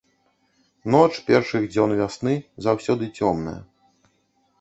Ноч першых дзён вясны заўсёды цёмная.